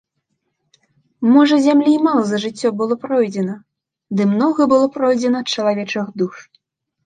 Можа зямлі і мала за жыццё было пройдзена, ды многа было пройдзена чалавечых душ.